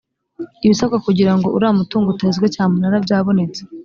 ibisabwa kugirango uriya mutungo utezwe cya munara byabonetse